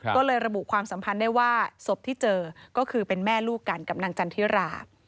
ก็เลยระบุความสัมพันธ์ได้ว่าศพที่เจอก็คือเป็นแม่ลูกกันกับนางจันทิรา